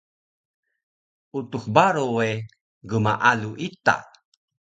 Utux Baro we gmaalu ita